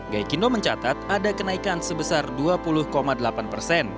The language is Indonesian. gaikindo mencatat ada kenaikan sebesar dua puluh delapan persen